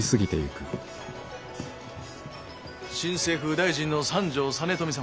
新政府右大臣の三条実美様じゃ。